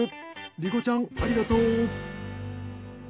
莉心ちゃんありがとう。